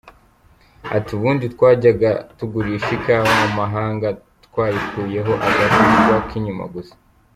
Ati ”Ubundi twajyaga tugurisha ikawa mu mahanga, twayikuyeho agashishwa k’inyuma gusa.